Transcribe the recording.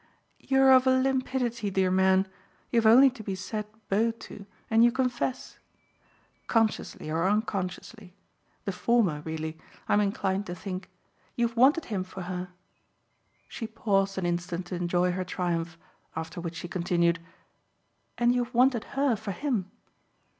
"You're of a limpidity, dear man you've only to be said 'bo!' to and you confess. Consciously or unconsciously the former, really, I'm inclined to think you've wanted him for her." She paused an instant to enjoy her triumph, after which she continued: "And you've wanted her for him.